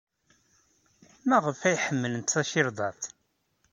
Maɣef ay ḥemmlent tacirḍart?